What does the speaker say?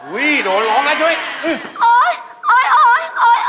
โว้ยโดนหลงแล้วสุด